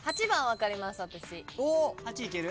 ８番分かります私。